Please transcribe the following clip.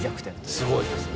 すごいですね。